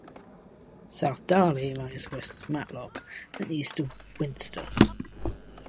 South Darley lies west of Matlock and east of Winster.